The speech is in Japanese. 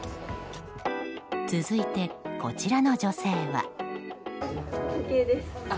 続いて、こちらの女性は。